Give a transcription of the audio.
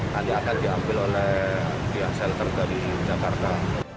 nanti akan diambil oleh pihak shelter dari jakarta